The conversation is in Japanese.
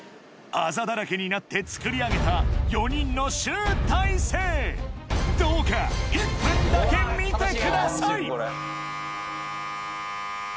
アザだらけになって作り上げた４人の集大成どうか１分だけ見てください